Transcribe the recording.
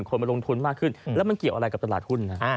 มาลงทุนมากขึ้นแล้วมันเกี่ยวอะไรกับตลาดหุ้น